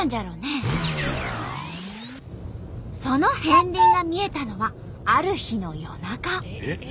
その片りんが見えたのはある日の夜中。